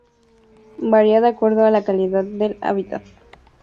Varía de acuerdo a la calidad del hábitat.